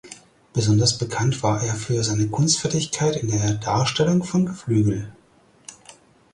Besonders bekannt war er für seine Kunstfertigkeit in der Darstellung von Geflügel.